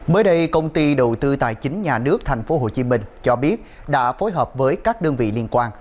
mới đây công ty đầu tư tài chính nhà nước tp hcm cho biết đã phối hợp với các đơn vị liên quan